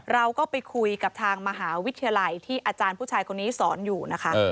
เราก็ไปคุยกับทางมหาวิทยาลัยที่อาจารย์ผู้ชายคนนี้สอนอยู่นะคะ